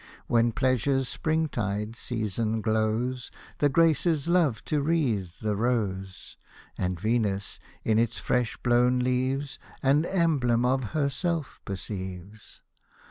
When pleasure's spring tide season glows, The Graces love to wreathe the rose ; And Venus, in its fresh blown leaves, An emblem of herself perceives.